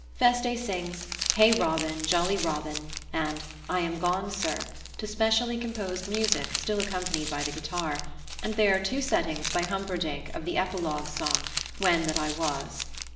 Feste sings "Hey, Robin, jolly Robin" and "I am gone, sir," to specially composed music still accompanied by the guitar, and there are two settings by Humperdinck of the epilogue song, "When that I was."